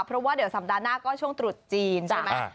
เพราะว่าเดี๋ยวสัปดาห์หน้าก็ช่วงตรุษจีนใช่ไหม